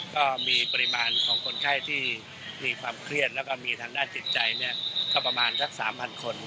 ก็มีปริมาณของคนไข้ที่มีความเครียดแล้วก็มีทางด้านจิตใจก็ประมาณสัก๓๐๐คน